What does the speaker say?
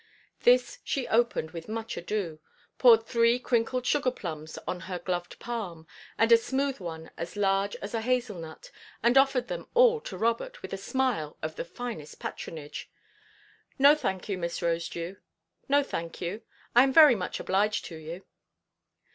This she opened with much ado, poured three crinkled sugar–plums on her gloved palm, and a smooth one as large as a hazel–nut, and offered them all to Robert, with a smile of the finest patronage. "No, thank you, Miss Rosedew; no, thank you. I am very much obliged to you."